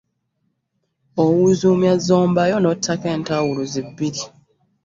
Owuzuumya zomba yo n’ottako entawuuluzi bbiri.